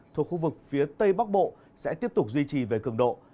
thuộc khu vực phía tây bắc bộ sẽ tiếp tục duy trì về cường độ